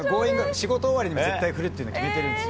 仕事終わりに絶対振るっていうの、決めてるんですよ。